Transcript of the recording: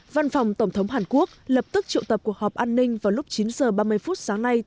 văn phòng tổng thống hàn quốc lập tức triệu tập cuộc họp an ninh vào lúc chín h ba mươi phút sáng nay